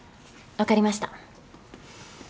分かりました。